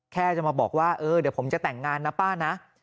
แค่จะมาบอกว่าเออเดี๋ยวผมจะแต่งงานนะป้านะ